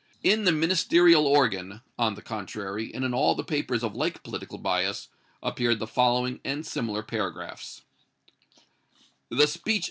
In the Ministerial organ, on the contrary, and in all the papers of like political bias, appeared the following and similar paragraphs: "THE SPEECH OF M.